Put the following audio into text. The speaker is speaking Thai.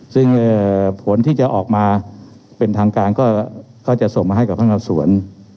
ซึ่งเอ่อผลที่จะมาเป็นทางการก็ก็จะส่งมาให้กับส่วน